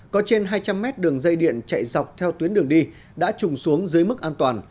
có trên hai trăm linh mét đường dây điện chạy dọc theo tuyến đường đi đã trùng xuống dưới mức an toàn